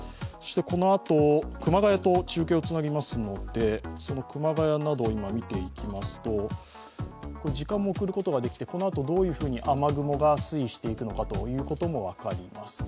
このあと、熊谷と中継をつなぎますので、その熊谷などを見ていきますと、時間も送ることができて、このあと、どういうふうに雨雲が推移していくのかということも分かります。